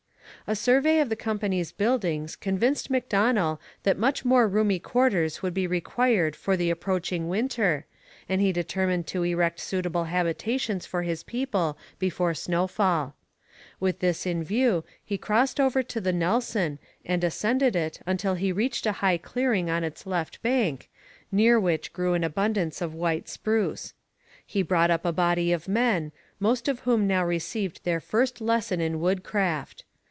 A survey of the company's buildings convinced Macdonell that much more roomy quarters would be required for the approaching winter, and he determined to erect suitable habitations for his people before snowfall. With this in view he crossed over to the Nelson and ascended it until he reached a high clearing on its left bank, near which grew an abundance of white spruce. He brought up a body of men, most of whom now received their first lesson in woodcraft.